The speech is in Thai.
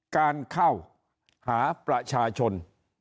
การเข้าหาประชาชน